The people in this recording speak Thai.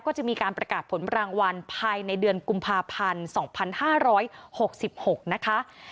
ก็จะมีการประกาศผลรางวัลภายในเดือนกุมภาพันธ์๒๕๖๖นะคะ